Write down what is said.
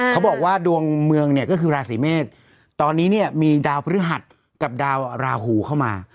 เขาบอกว่าดวงเมืองเนี่ยก็คือราศีเมษตอนนี้เนี่ยมีดาวพฤหัสกับดาวราหูเข้ามา